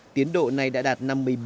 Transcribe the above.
tiến độ này đã đạt năm mươi bảy